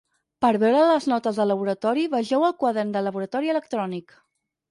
Per veure les notes de laboratori, vegeu el Quadern de laboratori electrònic.